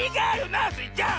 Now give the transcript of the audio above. なあスイちゃん！